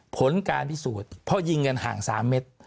ผลการพิสูจน์เพราะยิงกันห่าง๓เมตร